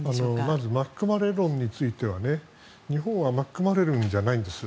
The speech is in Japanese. まず巻き込まれ論については日本は巻き込まれるんじゃないんです。